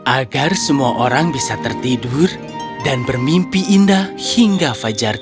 agar semua orang bisa tertidur dan bermimpi indah hingga fajar